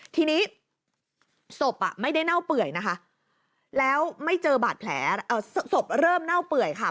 ทีนี้ศพไม่ได้เน่าเปื่อยนะคะแล้วไม่เจอบาดแผลศพเริ่มเน่าเปื่อยค่ะ